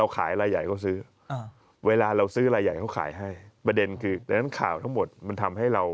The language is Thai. ค่อยทยอยคัดไปนั่นคือข้อ๓ใช่